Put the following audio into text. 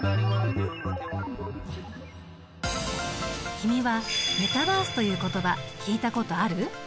君はメタバースという言葉聞いたことある？